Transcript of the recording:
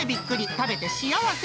食べて幸せ！